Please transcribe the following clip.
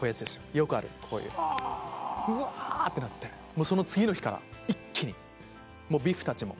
よくあるこういううわってなってもうその次の日から一気にもうビフたちも。